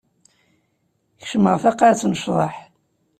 Kecmeɣ taqaɛet n ccḍeḥ.